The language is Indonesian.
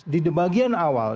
di bagian awal